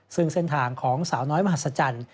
ซึ่งเส้นทางของสาวน้อยมหัศจรรย์